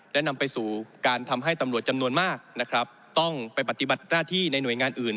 และนำไปสู่การทำให้ตำรวจจำนวนมากนะครับต้องไปปฏิบัติหน้าที่ในหน่วยงานอื่น